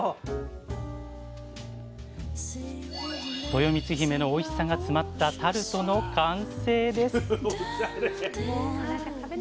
とよみつひめのおいしさが詰まったタルトの完成です！